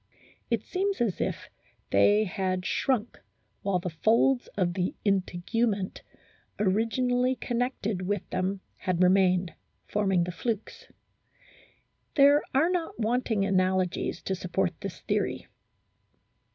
It seems as if they had shrunk while the folds of the integument originally connected with them had remained, forming the flukes. There are not wanting analogies to support this theory.